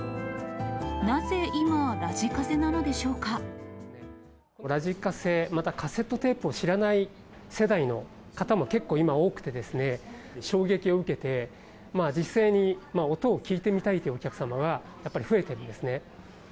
なぜ、今、ラジカセなのでしょうラジカセ、またカセットテープを知らない世代の方も結構今、多くてですね、衝撃を受けて実際に音を聴いてみたいというお客様がやっぱり増えてるんですね。